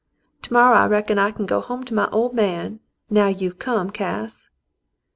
"To morrow I reckon I kin go home to my old man, now you've come, Cass."